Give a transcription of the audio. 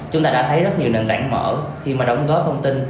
chúng ta đã thấy rất nhiều nền tảng mở khi mà đóng góp thông tin